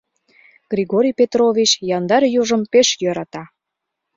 Григорий Петрович яндар южым пеш йӧрата.